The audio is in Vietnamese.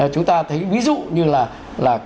chúng ta thấy ví dụ như là